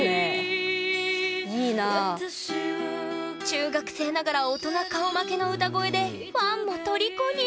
中学生ながら大人顔負けの歌声でファンもとりこに！